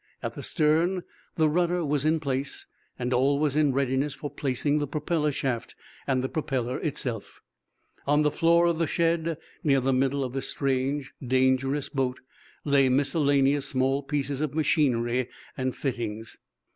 At the stern the rudder was in place, and all was in readiness for placing the propeller shaft and the propeller itself. On the floor of the shed, near the middle of this strange, dangerous boat, lay miscellaneous small pieces of machinery and fittings.